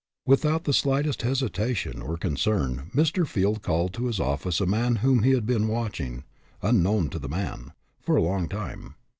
Without the slightest 'hesitation or concern, Mr. Field called to his office a man whom he had been watch ing, unknown to the man, for a long time.